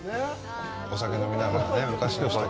お酒飲みながらね、昔の人が。